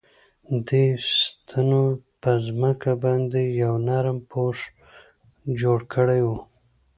دې ستنو په ځمکه باندې یو نرم پوښ جوړ کړی و